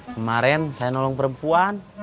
kemarin saya nolong perempuan